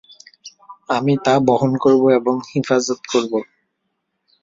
আমি তা বহন করব এবং হিফাজত করব।